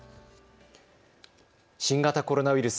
新型コロナウイルス。